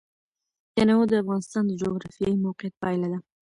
تنوع د افغانستان د جغرافیایي موقیعت پایله ده.